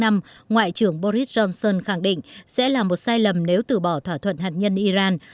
ngoại trưởng boris johnson khẳng định sẽ là một sai lầm nếu từ bỏ thỏa thuận hạt nhân iran